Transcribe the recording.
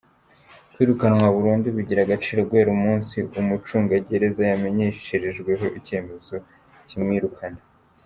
Kwirukanwa burundu bigira agaciro guhera umunsi umucungagereza yamenyesherejweho icyemezo kimwirukana.